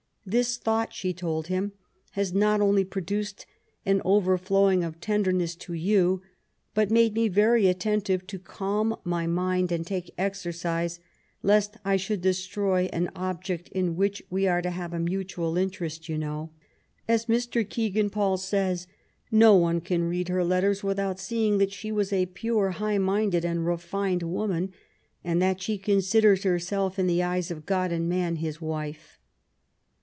'^ This thought," she told him, ^^ has not only produced an overflowing of tenderness to you, but made me very attentive to calm my mind and take exercise, lest I should destroy an object in whom we are to have a mutual interest, you know.*' As Mr. Kegan Paul says, *^ No one can read her letters without seeing that she was a pure, high minded, and refined woman, and that she considered herself, in the eyes of God and man, his wife.'